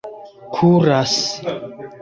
kuras